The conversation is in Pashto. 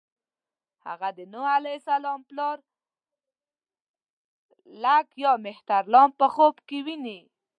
هغه د نوح علیه السلام پلار لمک یا مهترلام په خوب کې ويني.